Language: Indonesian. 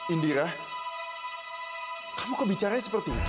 indira kamu kok bicara seperti itu